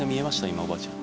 今おばあちゃん。